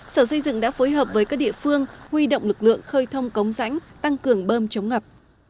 sở xây dựng đã phối hợp với các địa phương huy động lực lượng khơi thông cống rãnh tăng cường bơm chống ngập